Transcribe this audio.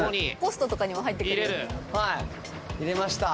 入れました。